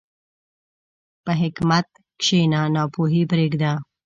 په حکمت کښېنه، ناپوهي پرېږده.